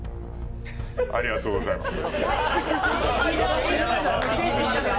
ありがとうございます。